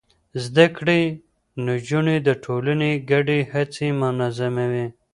زده کړې نجونې د ټولنې ګډې هڅې منظموي.